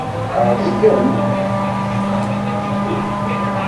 Ɛeẓgen?